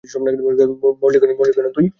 মরলি কেন তুই?